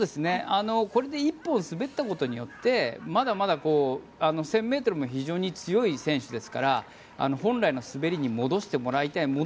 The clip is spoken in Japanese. これで１本滑ったことによってまだまだ１０００ｍも非常に強い選手ですから本来の滑りに戻してもらいたい。